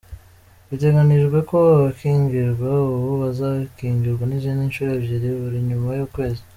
Biteganijwe ko abakingirwa ubu, bazakingirwa n’izindi nshuro ebyiri, buri nyuma y’ukwezi.